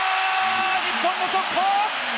日本の速攻！